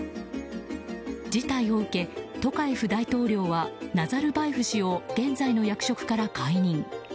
事態を受け、トカエフ大統領はナザルバエフ氏を現在の役職から解任。